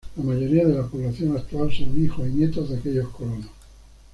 La mayoría de la población actual son hijos y nietos de aquellos colonos.